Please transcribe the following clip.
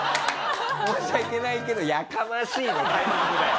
申し訳ないけど「やかましい」のタイミングだよ。